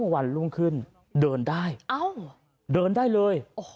วันรุ่งขึ้นเดินได้เดินได้เลย